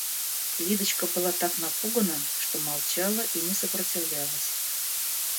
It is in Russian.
Лидочка была так напугана, что молчала и не сопротивлялась.